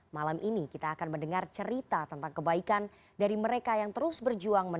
malam ini kita akan mendengar cerita tentang kebaikan dari mereka yang berada di dalam kisah kebaikan